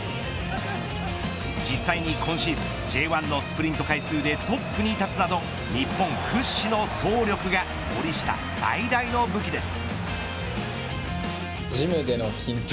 実際に今シーズンＪ１のスプリント回数でトップに立つなど日本屈指の走力が森下最大の武器です。